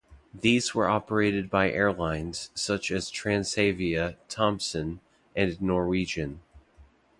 These were operated by airlines such as Transavia, Thomson, and Norwegian.